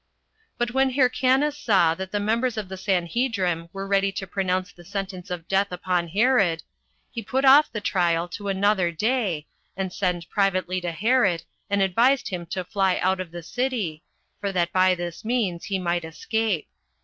5. But when Hyrcanus saw that the members of the Sanhedrim were ready to pronounce the sentence of death upon Herod, he put off the trial to another day, and sent privately to Herod, and advised him to fly out of the city, for that by this means he might escape.